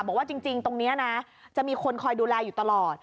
บอกว่าจริงตรงนี้นะจะมีคนคอยดูแลอยู่ตลอด